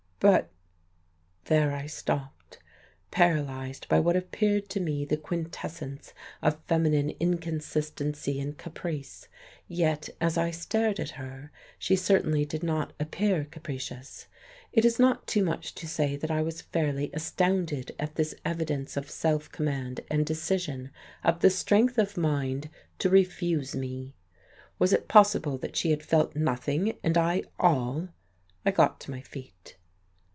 "But " there I stopped, paralyzed by what appeared to me the quintessence of feminine inconsistency and caprice. Yet, as I stared at her, she certainly did not appear capricious. It is not too much to say that I was fairly astounded at this evidence of self command and decision, of the strength of mind to refuse me. Was it possible that she had felt nothing and I all? I got to my feet.